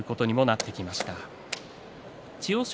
千代翔